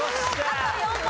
あと４問。